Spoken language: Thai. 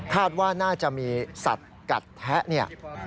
คาดว่าน่าจะมีสัตว์กัดแทะ